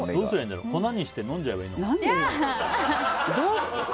粉にして飲んじゃえばいいのかな。